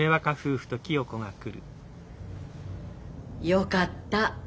よかった。